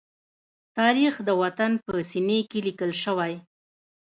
تاریخ د وطن په سینې کې لیکل شوی.